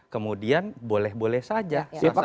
kemudian boleh boleh saja